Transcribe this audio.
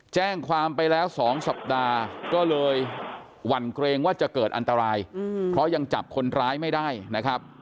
แจ้งความไปแล้ว๒สัปดาห์ก็เลยหวั่นเกรงว่าจะเกิดอันตรายเพราะยังจับคนร้ายไม่ได้นะครับ